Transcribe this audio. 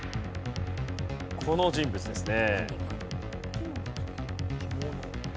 この人物ですね。